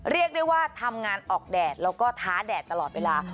เรียกได้ว่าทำงานออกแดดแล้วก็ท้าแดดตลอดเวลา